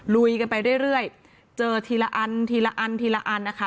ลุยกันไปเรื่อยเจอทีละอันทีละอันทีละอันนะคะ